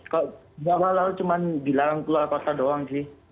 kalau di awal lalu cuma dilarang keluar kota doang sih